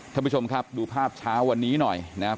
ท่านผู้ชมครับดูภาพเช้าวันนี้หน่อยนะครับ